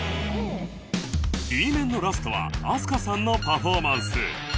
Ｂ 面のラストは飛鳥さんのパフォーマンス